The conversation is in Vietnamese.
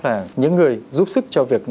là những người giúp sức cho việc